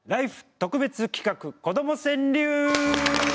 特別企画「子ども川柳」。